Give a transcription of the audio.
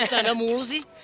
tanda mulu sih